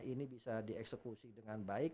ini bisa dieksekusi dengan baik